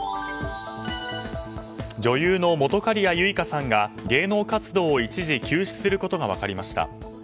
女優の本仮屋ユイカさんが芸能活動を一時休止することが分かりました。